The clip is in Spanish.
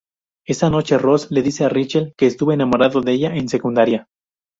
Esa noche, Ross le dice a Rachel que estuvo enamorado de ella en secundaria.